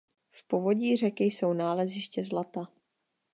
V povodí řeky jsou naleziště zlata.